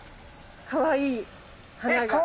かわいい花が。